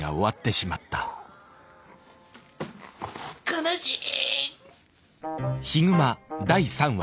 悲しい。